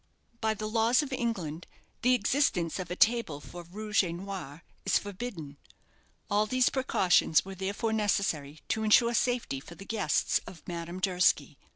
By the laws of England, the existence of a table for rouge et noir is forbidden. All these precautions were therefore necessary to insure safety for the guests of Madame Durski.